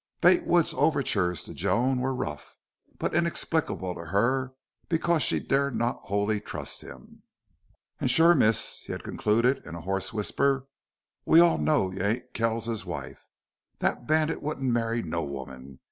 Bate Wood's overtures to Joan were rough, but inexplicable to her because she dared not wholly trust him. "An' shore, miss," he had concluded, in a hoarse whisper, "we all know you ain't Kells's wife. Thet bandit wouldn't marry no woman.